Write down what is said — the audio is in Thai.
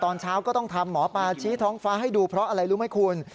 ตอนเช้าก็ต้องทำหมอปลาชี้ท้องฟ้าให้ดูเพราะอะไรรู้ไหมคุณ